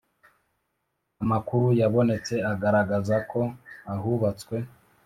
Amakuru yabonetse agaragaza ko ahubatse